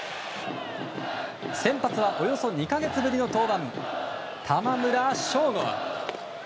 先発は、およそ２か月ぶりの登板玉村昇悟。